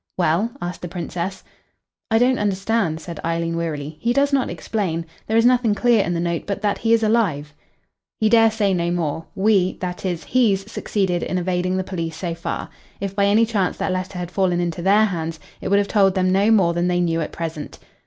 "Well?" asked the Princess. "I don't understand," said Eileen wearily. "He does not explain. There is nothing clear in the note but that he is alive." "He dare say no more. We that is he's succeeded in evading the police so far. If by any chance that letter had fallen into their hands, it would have told them no more than they knew at present."